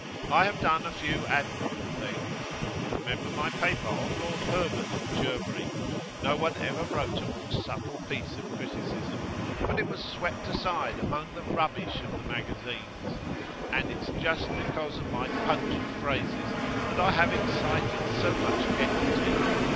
I have done a few admirable things. You remember my paper on Lord Herbert of Cherbury? No one ever wrote a more subtle piece of criticism; but it was swept aside among the rubbish of the magazines. And it's just because of my pungent phrases that I have excited so much enmity.